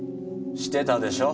してたでしょ？